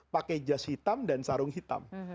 pakai jas hitam dan sarung hitam